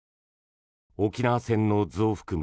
「沖縄戦の図」を含む